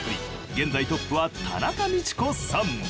現在トップは田中道子さん。